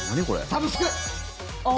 サブスク！